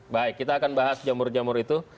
baik kita akan bahas jamur jamur itu